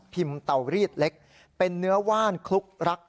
เตารีดเล็กเป็นเนื้อว่านคลุกรัก